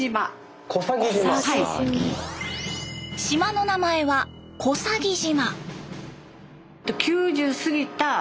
島の名前は小佐木島。